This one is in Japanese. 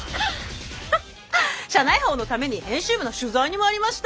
社内報のために編集部の取材に参りました。